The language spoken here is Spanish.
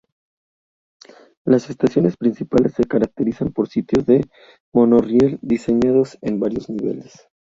Las estaciones principales se caracterizan por sitios de monorriel diseñados en varios niveles.